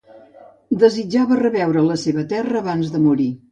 Desitjava reveure la seva terra abans de morir.